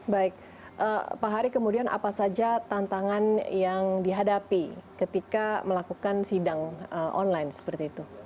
baik pak hari kemudian apa saja tantangan yang dihadapi ketika melakukan sidang online seperti itu